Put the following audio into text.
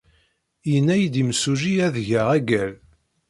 Yenna-iyi-d yimsujji ad geɣ agal.